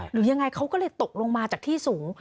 หรือยังไงเขาก็เลยตกลงมาจากที่สูง